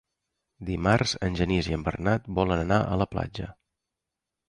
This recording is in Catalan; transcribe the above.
Dimarts en Genís i en Bernat volen anar a la platja.